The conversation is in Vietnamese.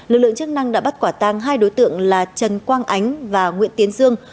lực lượng chức năng đã bắt quả tang hai đối tượng là trần quang ánh và nguyễn tiến dương